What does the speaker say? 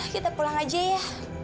kita pulang aja ya